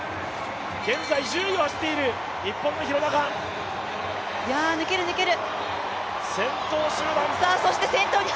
現在１０位を走っている、抜ける、抜ける！